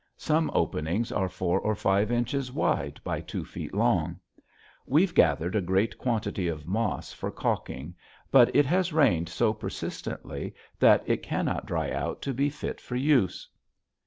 Some openings are four or five inches wide by two feet long. We've gathered a great quantity of moss for calking, but it has rained so persistently that it cannot dry out to be fit for use.